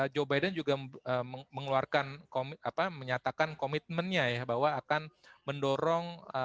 joe biden juga mengeluarkan menyatakan komitmennya ya bahwa akan mendorong